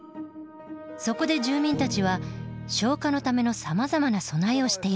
そこで住民たちは消火のためのさまざまな備えをしているんです。